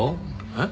えっ？